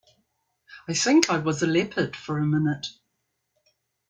I think I was a leopard for a minute.